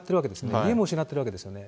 家も失っているわけですよね。